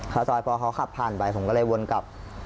ซอยพอเขาขับผ่านไปผมก็เลยวนกลับ